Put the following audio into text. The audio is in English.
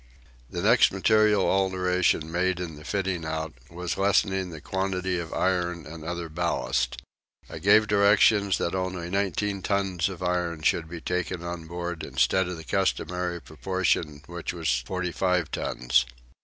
The next material alteration made in the fitting out was lessening the quantity of iron and other ballast. I gave directions that only nineteen tons of iron should be taken on board instead of the customary proportion which was forty five tons.